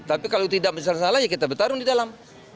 tapi kalau tidak besar salah ya kita bertarung di dalam